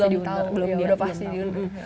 iya pasti diundur